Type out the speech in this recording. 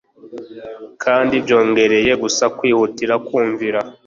kandi byongereye gusa kwihutira kumvira